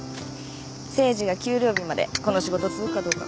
誠治が給料日までこの仕事続くかどうか賭けたの。